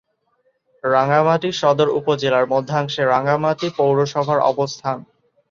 রাঙ্গামাটি সদর উপজেলার মধ্যাংশে রাঙ্গামাটি পৌরসভার অবস্থান।